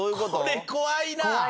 これ怖いな！